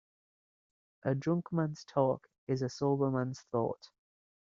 A drunk man's talk is a sober man's thought.